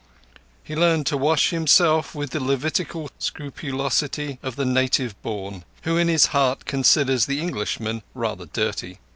He learned to wash himself with the Levitical scrupulosity of the native born, who in his heart considers the Englishman rather dirty.